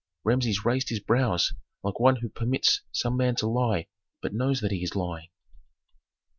Rameses raised his brows like one who permits some man to lie, but knows that he is lying.